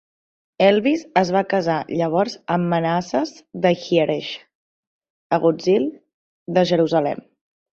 Helvis es va casar llavors amb Manasses de Hierges, agutzil de Jerusalem.